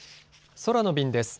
空の便です。